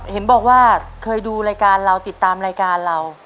เห็นบอกว่าเคยดูรายการเราติดตามรายการเรา